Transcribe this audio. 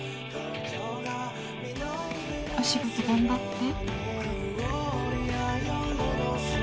お仕事頑張って。